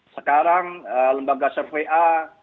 sekarang lembaga survey a